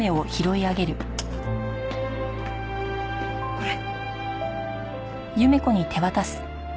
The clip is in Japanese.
これ。